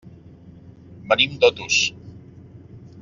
Venim d'Otos.